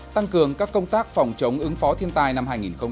tăng cường các công tác phòng chống ứng phó thiên tài năm hai nghìn một mươi chín